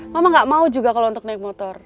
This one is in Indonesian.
mama gak mau juga kalau untuk naik motor